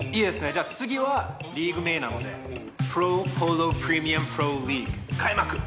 じゃあ次はリーグ名なのでプロポロプレミアムプロリーグ開幕！